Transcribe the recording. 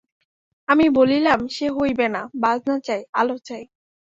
আমি বলিলাম, সে হইবে না, বাজনা চাই, আলো চাই।